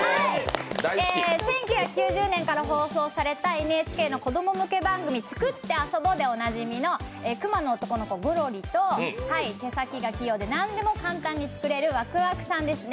１９９０年から放送されたＮＨＫの子供向け番組「つくってあそぼ」でおなじみのクマの男の子、ゴロリと手先が器用でなんでも簡単に作れるわくわくさんですね。